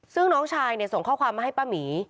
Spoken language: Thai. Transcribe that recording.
ซึ่งน้องชายส่งข้อความมาให้ป้าหมี